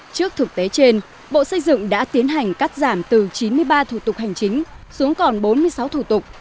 trước thực tế trên bộ xây dựng đã tiến hành cắt giảm từ chín mươi ba thủ tục hành chính xuống còn bốn mươi sáu thủ tục